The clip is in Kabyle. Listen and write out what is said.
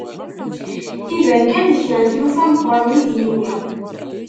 Iban kan d kra n tlufa meqqren i d-yiwi.